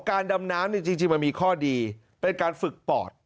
ดำน้ำจริงมันมีข้อดีเป็นการฝึกปอด